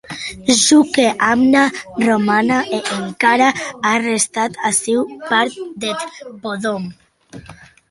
Jo qu’è amna romana, e encara a restat aciu part deth podom.